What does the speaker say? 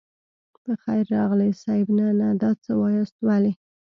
په خير راغلئ صيب نه نه دا څه واياست ولې.